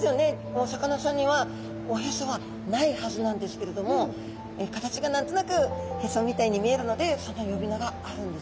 お魚さんにはおへそはないはずなんですけれども形が何となくへそみたいに見えるのでその呼び名があるんですね。